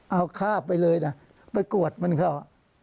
เอาฆ่าไปเลยไปกวดเหลือน่ะ